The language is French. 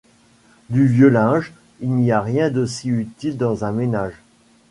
Du vieux linge, il n’y a rien de si utile dans un ménage...